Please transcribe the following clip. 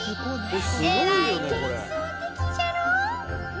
えらい幻想的じゃろ！